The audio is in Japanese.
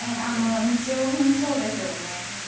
日用品そうですよね。